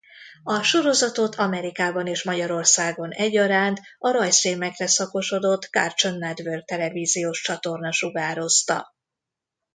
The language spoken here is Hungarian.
A sorozatot Amerikában és Magyarországon egyaránt a rajzfilmekre szakosodott Cartoon Network televíziós csatorna sugározta.